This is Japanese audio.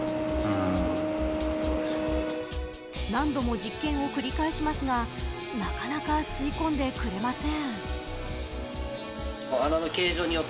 何度も実験を繰り返しますがなかなか吸い込んでくれません。